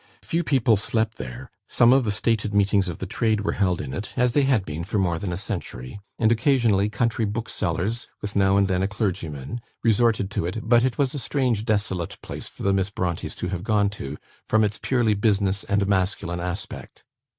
Few people slept there; some of the stated meetings of the Trade were held in it, as they had been for more than a century; and, occasionally country booksellers, with now and then a clergyman, resorted to it; but it was a strange desolate place for the Miss Brontës to have gone to, from its purely business and masculine aspect.